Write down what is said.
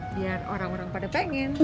biar orang orang pada pengen